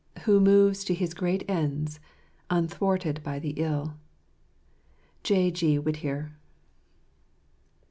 Who moves to his great ends, unthwarled by the ill." J. G. Whittier.